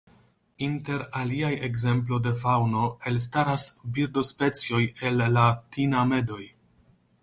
Inter aliaj ekzemplo de faŭno elstaras birdospecioj el la tinamedoj.